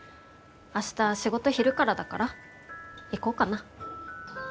明日仕事昼からだから行こうかな。